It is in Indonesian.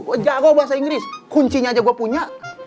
gue jago bahasa inggris kuncinya aja gue punya